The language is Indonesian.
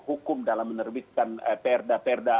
hukum dalam menerbitkan perda perda